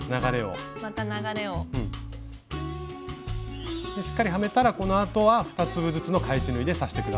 しっかりはめたらこのあとは２粒ずつの返し縫いで刺して下さい。